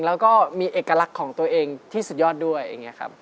แล้วก็มีเอกลักษณ์ของตัวเองที่สุดยอดด้วยอย่างนี้ครับ